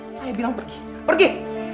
saya bilang pergi pergi